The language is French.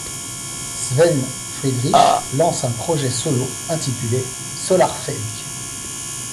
Sven Friedrich lance un projet solo intitulé Solar Fake.